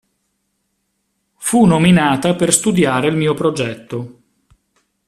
Fu nominata per studiare il mio progetto.